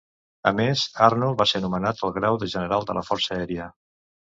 A més, Arnold va ser nomenat al grau de General de la Força Aèria.